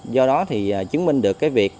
do đó thì chứng minh được cái việc